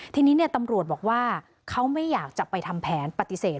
ทีนี้ตำรวจบอกว่าเขาไม่อยากจะไปทำแผนปฏิเสธ